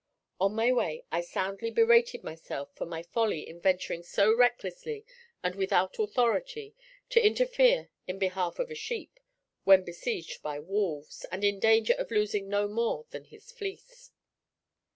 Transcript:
On my way I soundly berated myself for my folly in venturing so recklessly and without authority to interfere in behalf of a sheep, when besieged by wolves, and in danger of losing no more than his fleece.